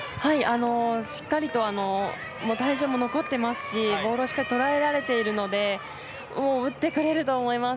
しっかりと体重も残ってますしボールをしっかり捉えられているので打ってくれると思います。